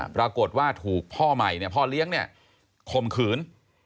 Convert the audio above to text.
ปรากฏว่าถูกพ่อใหม่พ่อเลี้ยงคมขืน